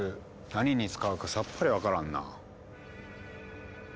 何に使うかさっぱり分からんな。